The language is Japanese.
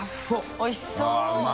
おいしそう。